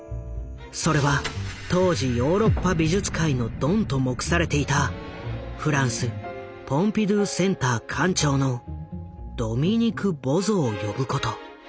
それは当時ヨーロッパ美術界のドンと目されていたフランスポンピドゥセンター館長のドミニク・ボゾを呼ぶこと。